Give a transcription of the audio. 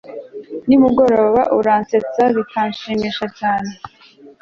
nimugoroba uransetsa bikanshimisha cyane